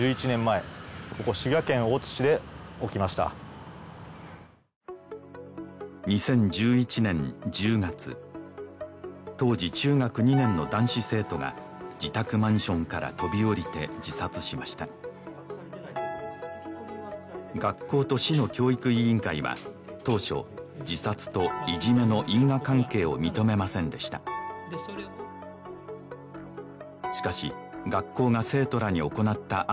２０１１年１０月当時中学２年の男子生徒が自宅マンションから飛び降りて自殺しました学校と市の教育委員会は当初自殺といじめの因果関係を認めませんでした